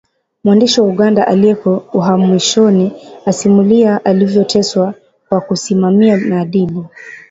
Mwandishi wa Uganda aliyeko uhamishoni asimulia alivyoteswa kwa kusimamia maadili